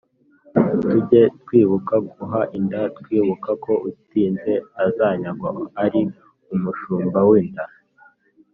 tuge twibuka guha inda twibuka ko utinze azanyagwa ari umushumba w’inda